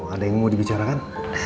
ada yang mau dibicarakan